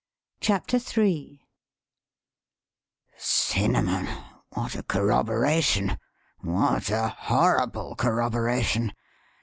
CHAPTER III "Cinnamon! what a corroboration what a horrible corroboration!